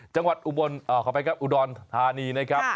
จังหวัดอุบรณเขาไปครับอูดอนธานีนะครับ